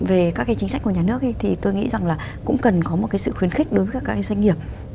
về các cái chính sách của nhà nước thì tôi nghĩ rằng là cũng cần có một cái sự khuyến khích đối với các doanh nghiệp